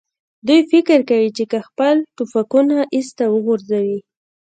دوی فکر کوي، چې که خپل ټوپکونه ایسته وغورځوي.